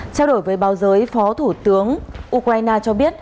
trao đổi với báo giới phó thủ tướng ukraine cho biết